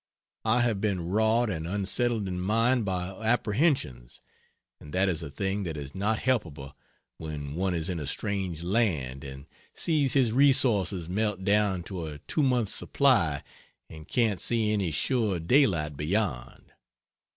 I have been wrought and unsettled in mind by apprehensions, and that is a thing that is not helpable when one is in a strange land and sees his resources melt down to a two months' supply and can't see any sure daylight beyond.